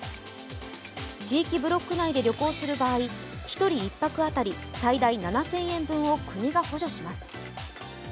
地域ブロック内で旅行する場合、１人１泊当たり最大７０００円分を国が補助します。